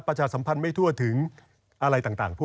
ประชาสัมพันธ์ไม่ทั่วถึงอะไรต่างพวก